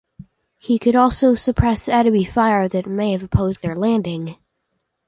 He could also suppress enemy fire that may have opposed their landing.